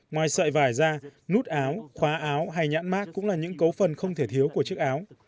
ngoài sợi vải da nút áo khóa áo hay nhãn mát cũng là những cấu phần không thể thiếu của chiếc áo